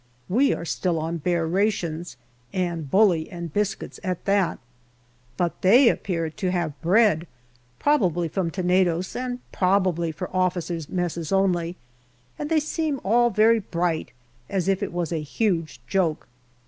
We are still on bare rations, and bully and biscuits at that, but they appear to have bread, probably from Tenedos, and probably for officers' messes only ; and they all seem very bright, as if it was a huge joke.